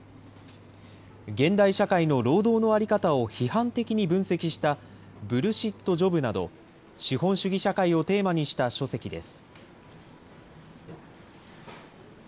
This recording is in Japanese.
現代社会の労働の在り方を批判的に分析した、ブルシット・ジョブなど、資本主義社会をテーマにした書籍です。